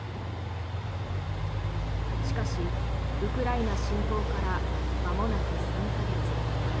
しかし、ウクライナ侵攻からまもなく３か月。